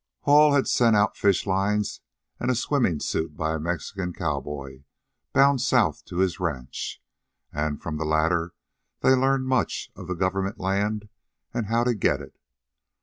Hall had sent out fish lines and a swimming suit by a Mexican cowboy bound south to his ranch, and from the latter they learned much of the government land and how to get it.